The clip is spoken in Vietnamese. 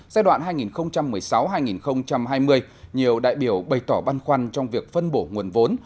giai đoạn hai nghìn một mươi sáu hai nghìn hai mươi nhiều đại biểu bày tỏ băn khoăn trong việc phân bổ nguồn vốn